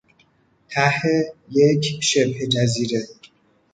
ته یک شبهجزیره